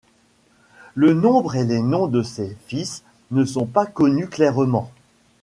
Le nombre et les noms de ses fils ne sont pas connus clairement.